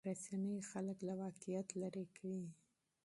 رسنۍ خلک له واقعیت لرې کوي.